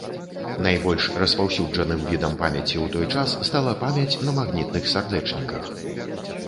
Найбольш распаўсюджаным відам памяці ў той час стала памяць на магнітных сардэчніках.